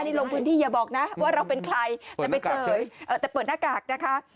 ในลงพื้นที่อย่าบอกนะว่าเราเป็นใครแต่เปิดหน้ากากนะคะ